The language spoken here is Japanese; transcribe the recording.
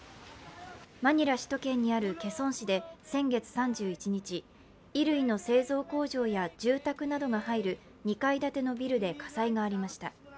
マニラ首都圏にあるケソン市で先月３１日、衣類の製造工場や住宅などが入る２階建てのビルで火災がありました。